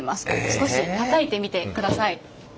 少したたいてみてください。